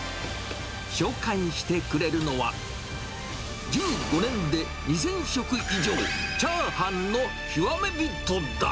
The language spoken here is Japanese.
紹介してくれるのは、１５年で２０００食以上、チャーハンの極め人だ。